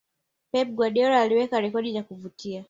pep guardiola aliweka rekodi za kuvutia